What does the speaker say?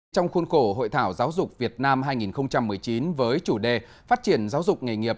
trong khuôn khổ hội thảo giáo dục việt nam hai nghìn một mươi chín với chủ đề phát triển giáo dục nghề nghiệp